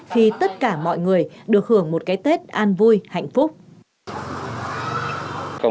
khi tất cả mọi người được hưởng một cái tết an vui hạnh phúc